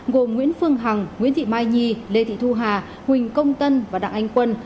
gồm nguyễn phương hằng nguyễn thị mai nhi lê thị thu hà huỳnh công tân và đặng anh quân